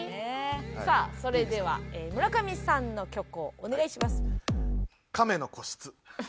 さあそれでは村上さんの虚構お願いします。